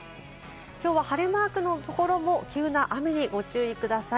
きょうは晴れマークのところも急な雨にご注意ください。